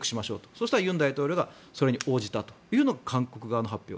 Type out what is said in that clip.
そうすると尹大統領がそれに応じたというのが韓国側の発表。